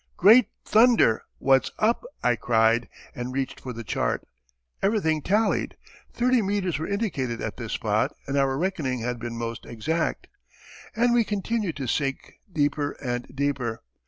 "Great thunder! what's up?" I cried, and reached for the chart. Everything tallied. Thirty meters were indicated at this spot and our reckoning had been most exact. And we continued to sink deeper and deeper.